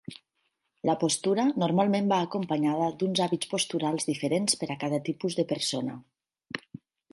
La postura normalment va acompanyada d'uns hàbits posturals diferents per a cada tipus de persona.